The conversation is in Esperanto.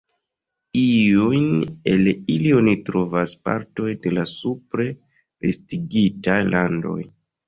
Iujn el ili oni trovas partoj de la supre listigitaj landoj.